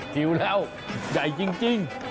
จิ๋วแล้วใหญ่จริง